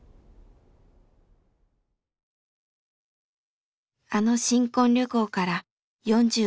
あの新婚旅行から４５年。